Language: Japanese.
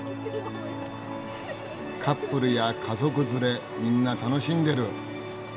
カップルや家族連れみんな楽しんでる。